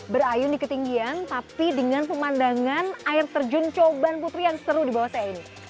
berayun di ketinggian tapi dengan pemandangan air terjun coban putri yang seru di bawah saya ini